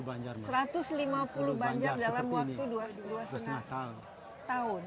satu ratus lima puluh banjar dalam waktu dua lima tahun